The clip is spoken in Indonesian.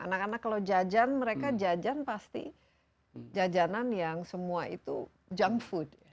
anak anak kalau jajan mereka jajan pasti jajanan yang semua itu junk food